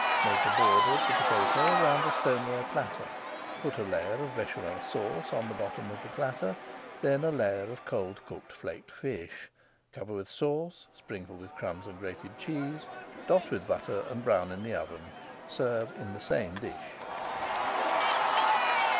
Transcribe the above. Make a border of the potato around a stoneware platter. Put a layer of Béchamel Sauce on the bottom of the platter, then a layer of cold cooked flaked fish, cover with sauce, sprinkle with crumbs and grated cheese, dot with butter, and brown in the oven. Serve in the same dish.